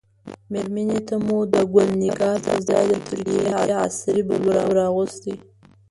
مېرمنې ته مو د ګل نګار پر ځای د ترکیې عصري بلوز ور اغوستی.